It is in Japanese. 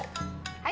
はい。